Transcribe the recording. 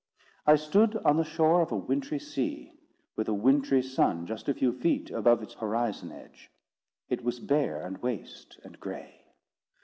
I stood on the shore of a wintry sea, with a wintry sun just a few feet above its horizon edge. It was bare, and waste, and gray.